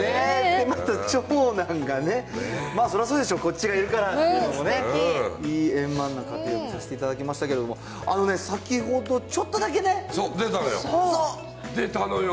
また、長男がね、それはそうでしょう、こっちがいるからっていうのもね、いい円満な家庭を見させていただきましたけど、先ほど、ちょっと出たのよ、出たのよ。